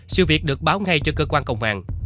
sự việc được báo ngay cho cơ quan công an